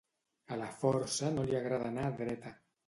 A la força no li agrada anar dreta.